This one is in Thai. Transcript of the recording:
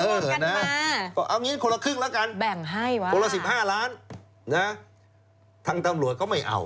เอาอย่างนี้คนละครึ่งแล้วค่ะคนละ๑๕ล้านทั้งตำรวจก็ไม่เอา